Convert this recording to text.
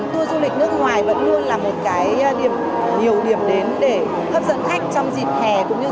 tour du lịch nước ngoài vẫn luôn là một cái điểm nhiều điểm đến để hấp dẫn khách trong dịp hè cũng như